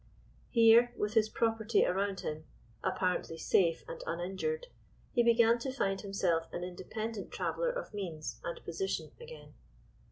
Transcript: Here, with his property around him—apparently safe and uninjured—he began to find himself an independent traveller of means and position again.